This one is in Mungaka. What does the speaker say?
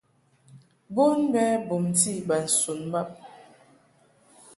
Bon bɛ bumti bas un bab.